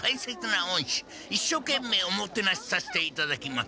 一所懸命おもてなしさせていただきます。